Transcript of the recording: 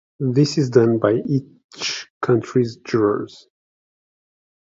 This is done by each country's jurors.